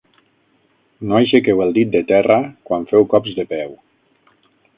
No aixequeu el dit del terra quan feu cops de peu.